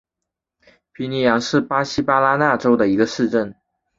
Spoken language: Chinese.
皮尼扬是巴西巴拉那州的一个市镇。